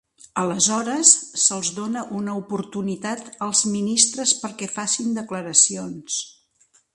Aleshores, se'ls dona una oportunitat als ministres perquè facin declaracions.